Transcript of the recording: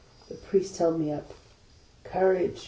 The Priest held me up. " Courage